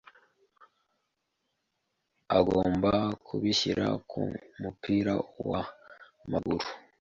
agomba kubishyira ku mupira wa maguru,